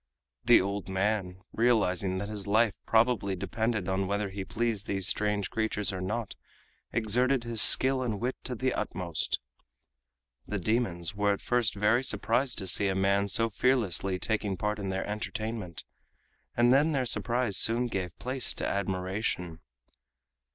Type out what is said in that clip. The old man, realizing that his life probably depended on whether he pleased these strange creatures or not, exerted his skill and wit to the utmost. The demons were at first very surprised to see a man so fearlessly taking part in their entertainment, and then their surprise soon gave place to admiration.